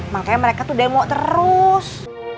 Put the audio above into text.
makanya mereka tuh demo terus